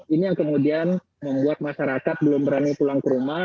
ini yang kemudian membuat masyarakat belum berani pulang ke rumah